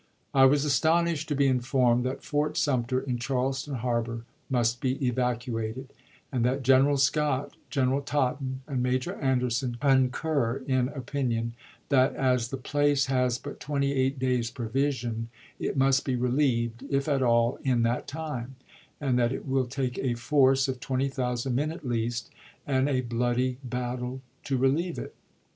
I was astonished to be informed that Fort Sumter, in Charleston harbor, must be evacuated, and that General Scott, General Totten, and Major Anderson concur in opinion, that as the place has but twenty eight days' provision, it must be relieved, if at all, in that time ; and that it will take a force of twenty thousand men at least, and a bloody battle, to relieve it